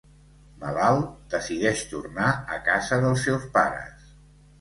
Malalt, decideix tornar a casa dels seus pares.